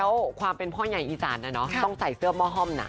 แล้วความเป็นพ่อใหญ่อีสานนะเนาะต้องใส่เสื้อหม้อห้อมน่ะ